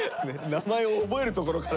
名前を覚えるところから。